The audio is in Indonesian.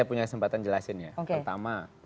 saya punya kesempatan jelasin ya pertama